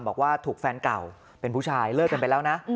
บอกว่าถูกแฟนเก่าเป็นผู้ชายเลิกกันไปแล้วนะ